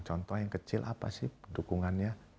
contoh yang kecil apa sih dukungannya